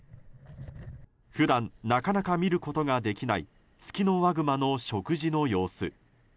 普段なかなか見ることができないツキノワグマの食事の様子。